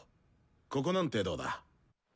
ここなんてどうだ？